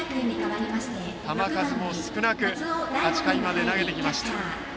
球数も少なく８回まで投げてきました。